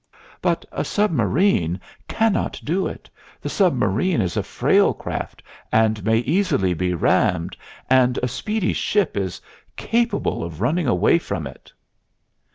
But a submarine ... cannot do it. The submarine is a frail craft and may easily be rammed, and a speedy ship is capable of running away from it."